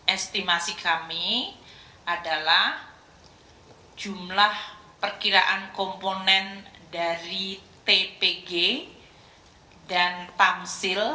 estimasi kami adalah jumlah perkiraan komponen dari tpg dan tamsil